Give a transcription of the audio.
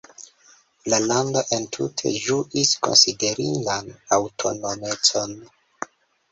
La lando entute ĝuis konsiderindan aŭtonomecon.